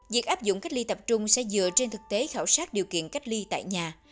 việc áp dụng cách ly tập trung sẽ dựa trên thực tế khảo sát điều kiện cách ly tại nhà